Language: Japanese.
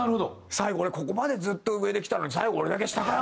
最後俺ここまでずっと上できたのに最後俺だけ下かよ！